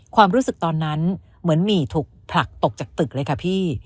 ความรู้สึกตอนนั้นเหมือนหมี่ถูกผลักตกจากตึกเลยค่ะพี่